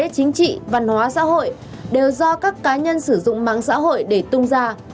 chính trị văn hóa xã hội đều do các cá nhân sử dụng mạng xã hội để tung ra